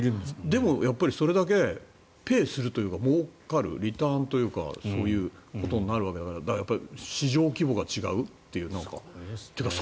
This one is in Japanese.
でも、それだけペイするというか、もうかるリターンというかそういうことになるわけだからやっぱり市場規模が違うというか